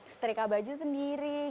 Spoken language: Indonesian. setrika baju sendiri